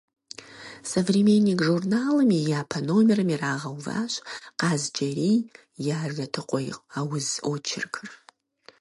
«Современник» журналым и япэ номерым ирагъэуващ Къаз-Джэрий и «Ажэтыгъуей ауз» очеркыр.